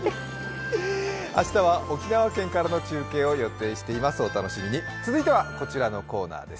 明日は沖縄県からの中継を予定しています。